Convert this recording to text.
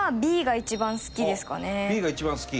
Ｂが一番好き？